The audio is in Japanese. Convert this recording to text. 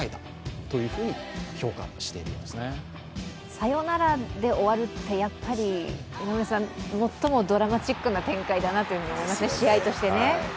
サヨナラで終わるってやっぱり最もドラマチックな展開ですね、試合としてね。